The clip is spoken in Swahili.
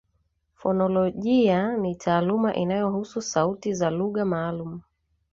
Fonolojia ni taaluma inayohusu sauti za lugha maalumu